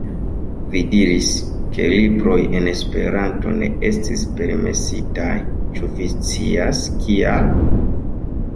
Vi diris, ke libroj en Esperanto ne estis permesitaj, ĉu vi scias, kial?